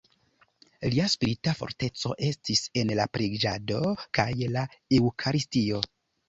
Lia spirita forteco estis en la preĝado kaj la eŭkaristio.